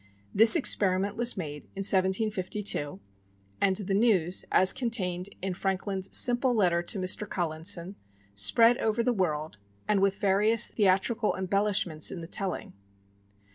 This experiment was made in 1752; and the news, as contained in Franklin's simple letter to Mr. Collinson, spread over the world, and with various theatrical embellishments in the telling.